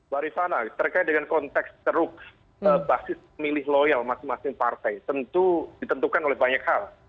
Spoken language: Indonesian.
pak rifana terkait dengan konteks ceruk basis pemilih loyal masing masing partai tentu ditentukan oleh banyak hal